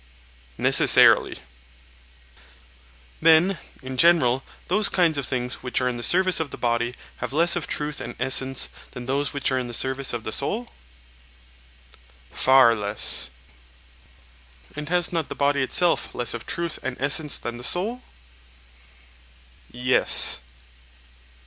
Necessarily. Then, in general, those kinds of things which are in the service of the body have less of truth and essence than those which are in the service of the soul? Far less. And has not the body itself less of truth and essence than the soul? Yes.